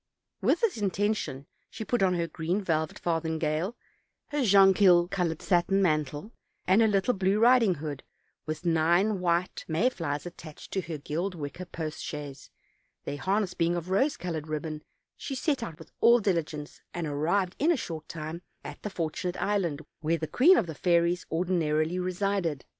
With this intention she put on her green velvet farthingale, her jonquil colored satin mantle, and her little blue riding hood; and with nine white may flies attached to her gilded wicker post chaise, their harness being of rose colored ribbon, she set out with all diligence, and arrived in a short time at the For tunate Island, where the queen of the fairies ordinarily resided.